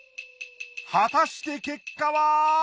果たして結果は！？